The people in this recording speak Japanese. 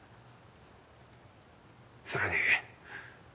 それに。